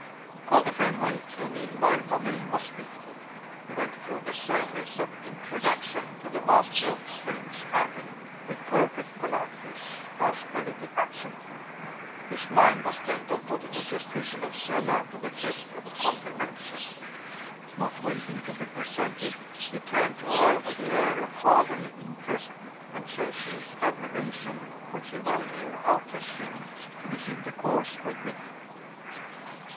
Father Benwell came in while Romayne was speaking. He went through the ceremonies of introduction to the master of Vange Abbey with perfect politeness, but a little absently. His mind was bent on putting his suspicion of Stella to the test of confirmation. Not waiting to be presented, he turned to her with the air of fatherly interest and chastened admiration which he well knew how to assume in his intercourse with women.